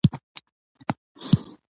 او مسلکي معاونيت ته مراجعه وکړي.